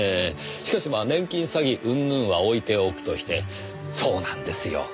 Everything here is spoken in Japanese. しかし年金詐欺うんぬんは置いておくとしてそうなんですよ。